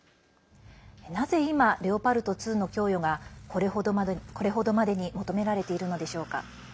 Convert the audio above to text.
なぜ今、レオパルト２の供与がこれほどまでに求められているのでしょうか。